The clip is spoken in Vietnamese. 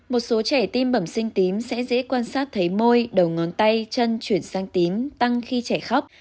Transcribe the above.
một số trẻ tim bẩm sinh tím sẽ dễ quan sát thấy môi đầu ngón tay chân chuyển sang tím tăng khi trẻ khóc